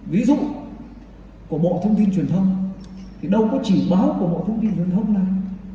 ví dụ của bộ thông tin truyền thông thì đâu có chỉ báo của bộ thông tin truyền thông nào